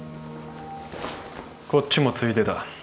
こっちもついでだ